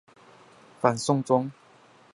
反送中